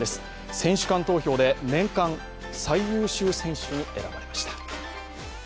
選手間投票で年間最優秀選手に選ばれました。